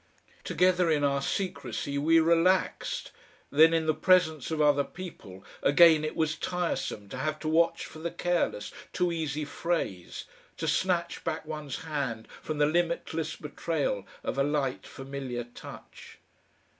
Together in our secrecy we relaxed, then in the presence of other people again it was tiresome to have to watch for the careless, too easy phrase, to snatch back one's hand from the limitless betrayal of a light, familiar touch.